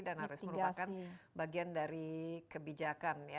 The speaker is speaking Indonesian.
dan harus merupakan bagian dari kebijakan ya